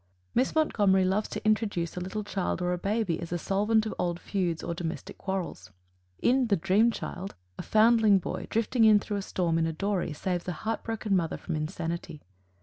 Miss Montgomery loves to introduce a little child or a baby as a solvent of old feuds or domestic quarrels. In "The Dream Child," a foundling boy, drifting in through a storm in a dory, saves a heart broken mother from insanity.